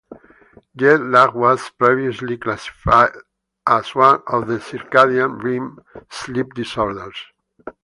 Jet lag was previously classified as one of the circadian rhythm sleep disorders.